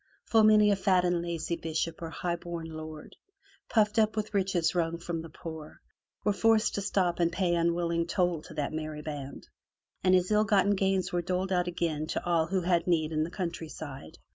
Full many a fat and lazy bishop or high bom lord, puffed up with riches wrung from the poor, was forced to stop and pay unwilling toll to that merry band, and his ill gotten gains were doled out again to all who had need in the countryside.